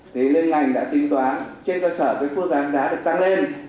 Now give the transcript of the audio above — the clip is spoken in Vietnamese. thì lên ngành đã tính toán trên cơ sở cái phương án giá được tăng lên